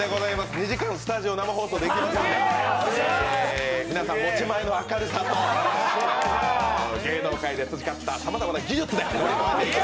２時間スタジオ生放送でいきたいと思いますので、皆さん、持ち前の明るさと芸能界で培ったさまざまな技術で！